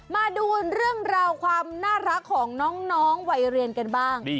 มาดูเรื่องราวความน่ารักของน้องวัยเรียนกันบ้าง